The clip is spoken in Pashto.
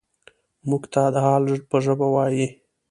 موږ ته د حال په ژبه وايي.